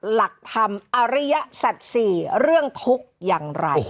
หลักธรรมอริยสัตว์๔เรื่องทุกข์อย่างไร